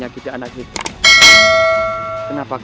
tanpa ding tifulan reng kne bahan